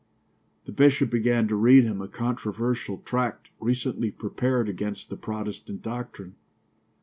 The bishop began to read him a controversial tract recently prepared against the Protestant doctrine.